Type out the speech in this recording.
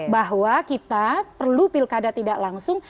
bahwa kita perlu pilkada tidak langsung